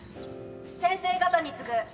・先生方に告ぐ。